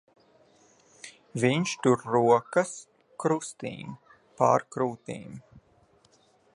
Viņš tur rokas krustīm pār krūtīm.